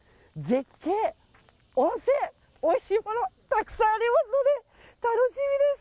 絶景、温泉、おいしいものたくさんありますので楽しみです。